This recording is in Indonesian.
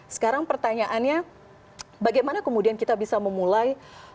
sekarang pertanyaannya bagaimana kemudian kita bisa memulai